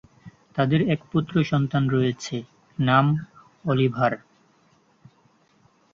তাদের এক পুত্র সন্তান রয়েছে, নাম অলিভার।